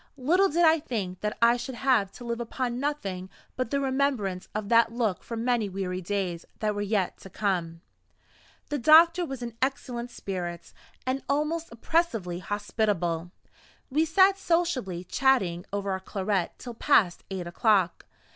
Little did I think that I should have to live upon nothing but the remembrance of that look for many weary days that were yet to come. The doctor was in excellent spirits, and almost oppressively hospitable. We sat sociably chatting over our claret till past eight o'clock.